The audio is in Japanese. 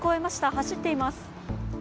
走っています。